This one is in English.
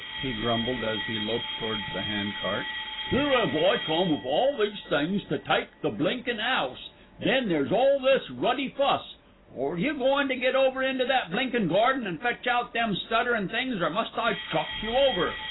he grumbled as he loped towards the hand cart. "'Ere 'ave I come wiv all these things to take the blinkin' 'ouse, then there's all this ruddy fuss. Are you goin' to get over into that blinkin' garden and fetch out them stutterin' things, or must I chuck you over?"